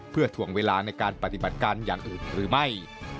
เพื่อถ่วงเวลาในการปฏิบัติการอย่างอื่นหรือไม่